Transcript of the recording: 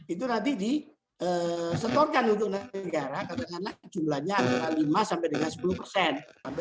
itu nanti disetorkan untuk negara katakanlah jumlahnya adalah lima sampai dengan sepuluh persen